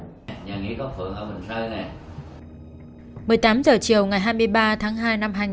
một mươi tám h chiều ngày hai mươi ba tháng hai năm hai nghìn một mươi bốn